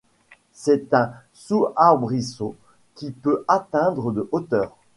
C'est un sous-arbrisseau qui peut atteindre de hauteur.